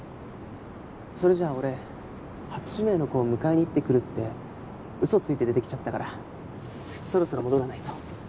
それじゃあ俺初指名の子を迎えに行ってくるってうそついて出てきちゃったからそろそろ戻らないと。